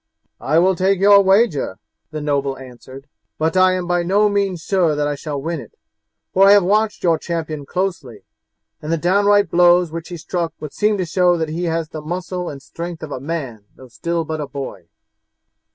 "I will take your wager," the noble answered; "but I am by no means sure that I shall win it, for I have watched your champion closely, and the downright blows which he struck would seem to show that he has the muscle and strength of a man though still but a boy."